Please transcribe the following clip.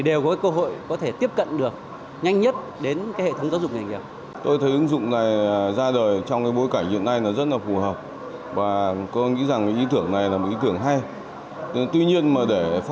đều có cơ hội tiếp cận được nhanh nhất đến hệ thống giáo dục nghề nghiệp